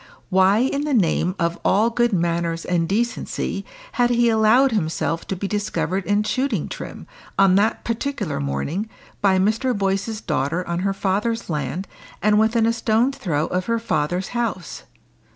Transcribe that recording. Why in the name of all good manners and decency had he allowed himself to be discovered in shooting trim, on that particular morning, by Mr. Boyce's daughter on her father's land, and within a stone's throw of her father's house?